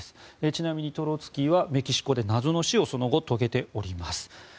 ちなみにトロツキーはメキシコで謎の死をその後遂げています。